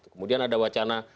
kemudian ada wacana